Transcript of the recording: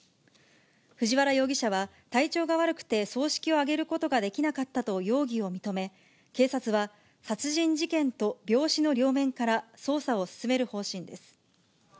藤原容疑者は、体調が悪くて葬式をあげることができなかったと容疑を認め、警察は殺人事件と病死の両面から捜査を進める方針です。